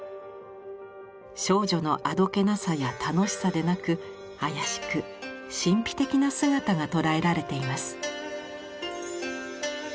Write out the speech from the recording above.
少女のあどけなさや楽しさでなく妖しく神秘的な姿が捉えられています。